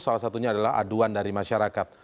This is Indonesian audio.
salah satunya adalah aduan dari masyarakat